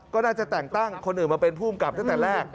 ก็น่าจะแต่งตั้งคนอื่นมาเป็นผู้กำกับตั้งแต่แรก